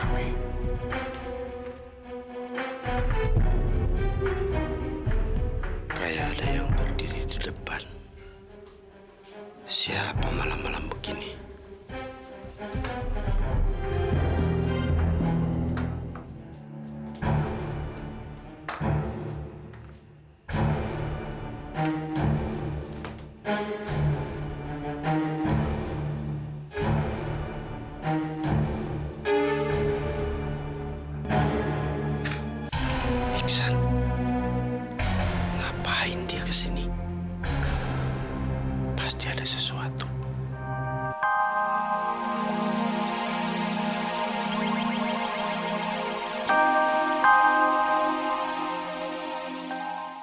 aku harus ketuk mereka